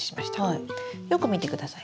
よく見てください。